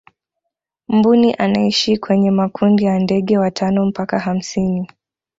mbuni anaishi kwenye makundi ya ndege watano mpaka hamsini